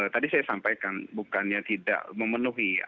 tadi saya sampaikan bukannya tidak memenuhi